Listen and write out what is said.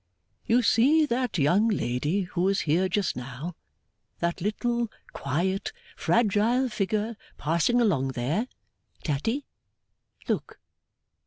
'You see that young lady who was here just now that little, quiet, fragile figure passing along there, Tatty? Look.